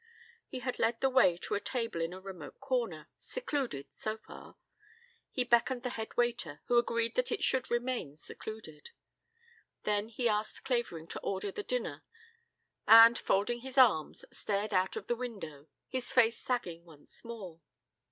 He had led the way to a table in a remote corner, secluded, so far. He beckoned the head waiter, who agreed that it should remain secluded. Then he asked Clavering to order the dinner, and, folding his arms, stared out of the window, his face sagging once more.